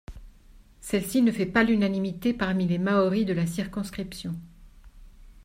Celle-ci ne fait pas l'unanimité parmi les Maori de la circonscription.